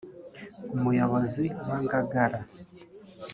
Umuyobozi wa Ngagara